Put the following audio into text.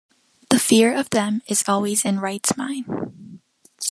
The fear of them is always in Wright's mind.